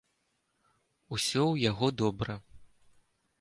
Усё ў яго добра.